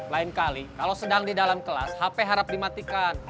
lain kali kalau sedang di dalam kelas hp harap dimatikan